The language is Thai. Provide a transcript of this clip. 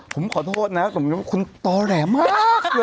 ผมขอโทษนะสมมุติคุณตอแหลมากเลย